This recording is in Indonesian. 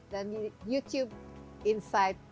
dan di youtube insight